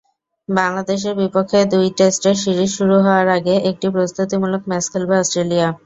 বাংলাদেশের বিপক্ষে দুই টেস্টের সিরিজ শুরু হওয়ার আগে একটি প্রস্তুতিমূলক ম্যাচ খেলবে অস্ট্রেলিয়া।